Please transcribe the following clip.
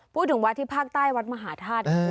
พูดถึงวัดที่ภาคใต้วัดมหาธาตุ